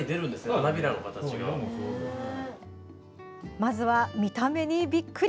まずは見た目にびっくり。